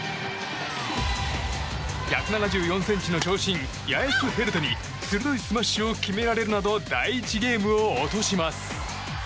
１７４ｃｍの長身ヤエスフェルトに鋭いスマッシュを決められるなど第１ゲームを落とします。